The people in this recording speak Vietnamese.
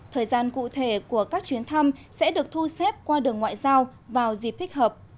thời gian cụ thể của các chuyến thăm sẽ được thu xếp qua đường ngoại giao vào dịp thích hợp